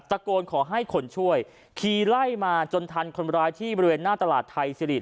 ตะโกนขอให้คนช่วยขี่ไล่มาจนทันคนร้ายที่บริเวณหน้าตลาดไทยสิริ